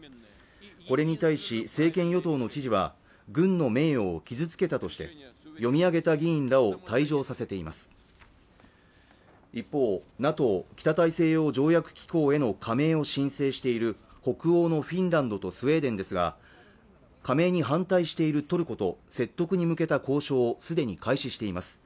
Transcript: これに対し政権与党の知事は軍の名誉を傷つけたとして読み上げた議員らを退場させています一方、ＮＡＴＯ＝北大西洋条約機構への加盟を申請している北欧のフィンランドとスウェーデンですが加盟に反対しているトルコと説得に向けた交渉をすでに開始しています